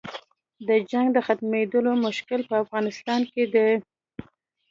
د جنګ د ختمېدلو مشکل په افغانستان کې دی.